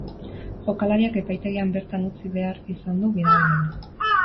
Jokalariak epaitegian bertan utzi behar izan du gidabaimena.